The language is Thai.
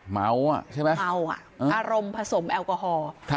เมาอ่ะใช่ไหมเมาอ่ะอารมณ์ผสมแอลกอฮอล์